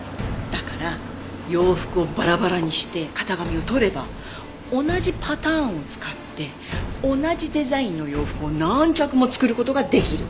だから洋服をバラバラにして型紙をとれば同じパターンを使って同じデザインの洋服を何着も作る事ができる。